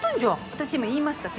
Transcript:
私いま言いました？